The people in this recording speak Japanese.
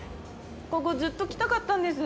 ここずっと来たかったんです。